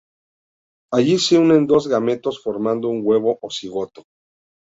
Allí se unen dos gametos formando un huevo o cigoto.